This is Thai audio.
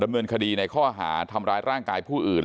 เนินคดีในข้อหาทำร้ายร่างกายผู้อื่น